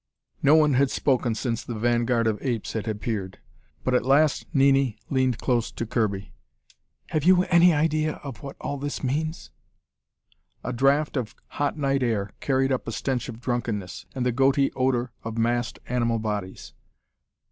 No one had spoken since the vanguard of apes had appeared. But at last Nini leaned close to Kirby. "Have you any idea of what all this means?" A draught of hot night air carried up a stench of drunkenness, and the goaty odor of massed animal bodies.